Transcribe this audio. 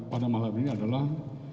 pada malam ini adalah